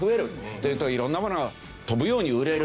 というと色んなものが飛ぶように売れる。